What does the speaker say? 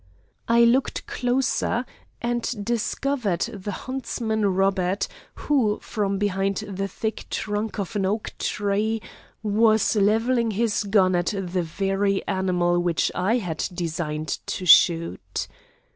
I looked closer, and discovered the huntsman Robert, who from behind the thick trunk of an oak tree was levelling his gun at the very animal which I had designed to shoot.